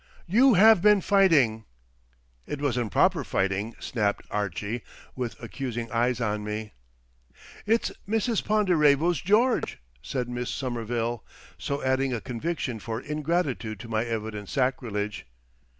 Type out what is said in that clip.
"You have been fighting." "It wasn't proper fighting," snapped Archie, with accusing eyes on me. "It's Mrs. Ponderevo's George!" said Miss Somerville, so adding a conviction for ingratitude to my evident sacrilege.